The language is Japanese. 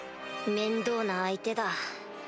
面倒な相手だ。